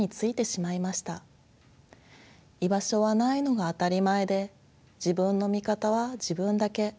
居場所はないのが当たり前で自分の味方は自分だけ。